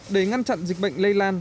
để ngăn chặn dịch bệnh lây lan